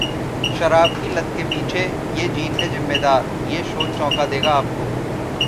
शराब की लत के पीछे ये जीन है जिम्मेदार, ये शोध चौंका देगा आपको